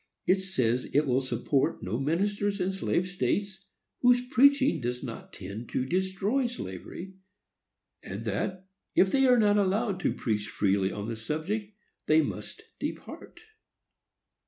It says it will support no ministers in slave states whose preaching does not tend to destroy slavery; and that, if they are not allowed to preach freely on the subject, they must depart.